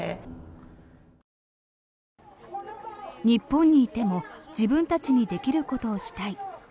日本にいても自分たちにできることをしたい。